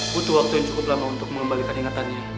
butuh waktu yang cukup lama untuk mengembalikan ingatannya